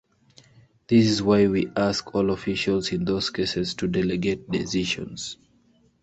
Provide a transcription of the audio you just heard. This is why we ask all officials in those cases to delegate decisions.